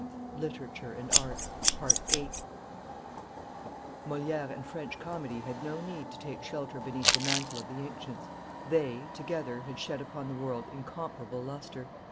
[Illustration: Moliere 664] Moliere and French comedy had no need to take shelter beneath the mantle of the ancients; they, together, had shed upon the world incomparable lustre.